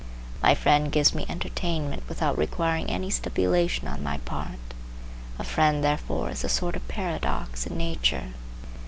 My friend gives me entertainment without requiring any stipulation on my part. A friend therefore is a sort of paradox in nature.